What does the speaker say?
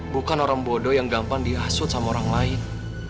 bukan orang bodoh yang gampang dihasut sama orang lain